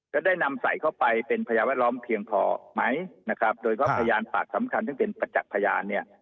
ได้นำใส่เข้าไปเป็นพยานแวดล้อมเพียงพอไหมนะครับโดยเพราะพยานปากสำคัญซึ่งเป็นประจักษ์พยานเนี่ย